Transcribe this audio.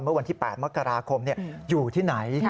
เมื่อวันที่๘มกราคมอยู่ที่ไหน